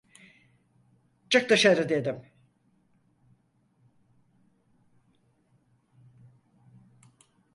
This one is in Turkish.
Çık dışarı dedim!